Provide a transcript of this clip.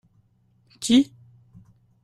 Qui ?